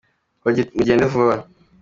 Hogi mugende vuba.